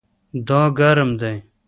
دا ګرم دی